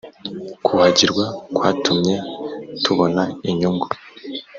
kuhagirwa kwatumye tubona inyungu